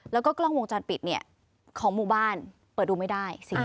แล้วก็กล้องวงจรปิดของหมู่บ้านเปิดดูไม่ได้